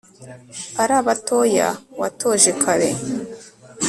ari abatoya watoje kare